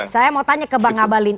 saya mau tanya ke bang abalin